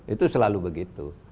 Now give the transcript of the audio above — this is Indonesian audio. itu selalu begitu